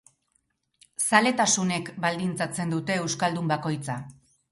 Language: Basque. Zaletasunek baldintzatzen dute euskaldun bakoitza.